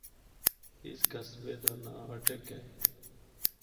اس قصبے دا ناں اٹک ہے۔